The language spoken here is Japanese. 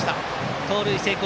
盗塁成功。